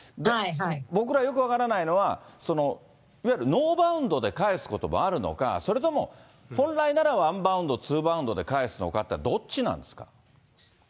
僕ら、よく分からないのは、いわゆるノーバウンドで返すこともあるのか、それとも、本来ならワンバウンド、ツーバウンドで返すのか、どっちなんですか？